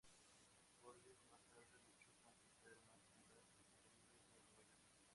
Morbius más tarde luchó contra Spider-Man en las alcantarillas de Nueva York.